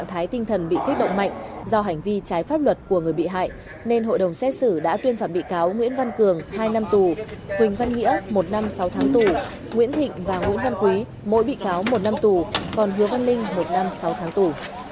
hội đồng xét xử đã tuyên phạm bị cáo nguyễn văn cường hai năm tù quỳnh văn nghĩa một năm sáu tháng tù nguyễn thịnh và nguyễn văn quý mỗi bị cáo một năm tù còn hứa văn ninh một năm sáu tháng tù